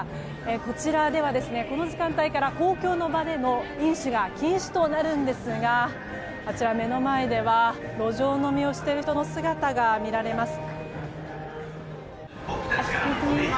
こちらでは、この時間帯から公共の場での飲酒が禁止となるんですがあちら、目の前では路上飲みをしている人の姿が見られます。